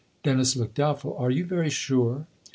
Dennis looked doubtful. " Are you very sure